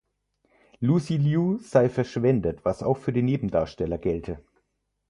Lucy Liu sei verschwendet, was auch für die Nebendarsteller gelte.